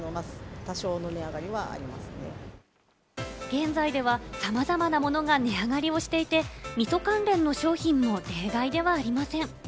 現在ではさまざまなものが値上がりをしていて、みそ関連の商品も例外ではありません。